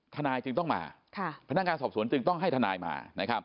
ทนายจึงต้องมาพนักงานสอบสวนจึงต้องให้ทนายมานะครับ